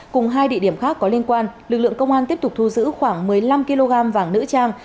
cùng hai địa điểm khác có liên quan lực lượng công an tiếp tục thu giữ khoảng một mươi năm kg vàng nữ trang